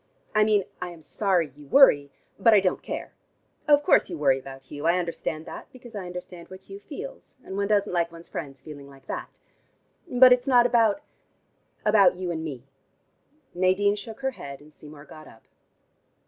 I mean I am sorry you worry, but I don't care. Of course you worry about Hugh. I understand that, because I understand what Hugh feels, and one doesn't like one's friends feeling like that. But it's not about about you and me?" Nadine shook her head and Seymour got up.